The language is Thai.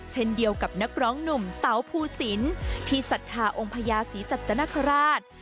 เช่นเดียวกับนักร้องหนุ่มเต๋าภูสินที่ศรัทธาองค์พญาศรีสัตนคราช